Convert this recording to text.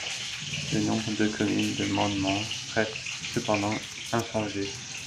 Le nombre de communes du mandement reste cependant inchangé.